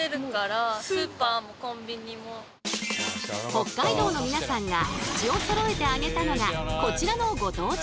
北海道の皆さんが口をそろえて挙げたのがこちらのご当地パン。